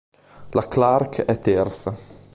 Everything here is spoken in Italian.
La Clark è terza.